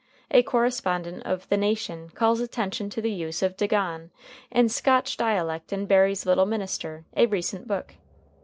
A correspondent of The Nation calls attention to the use of "dagon" as Scotch dialect in Barrie's "Little Minister," a recent book.